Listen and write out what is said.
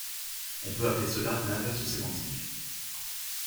On peut appeler cela l'inverse sémantique.